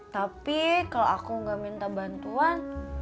tapi kalo aku gak minta bantuan